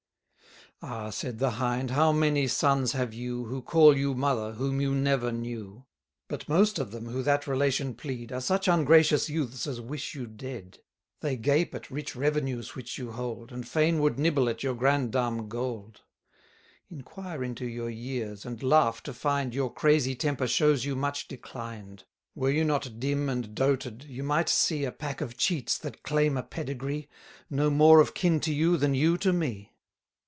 Ah, said the Hind, how many sons have you, Who call you mother, whom you never knew! But most of them who that relation plead, Are such ungracious youths as wish you dead. They gape at rich revenues which you hold, And fain would nibble at your grandame Gold; Inquire into your years, and laugh to find 150 Your crazy temper shows you much declined. Were you not dim and doted, you might see A pack of cheats that claim a pedigree, No more of kin to you, than you to me.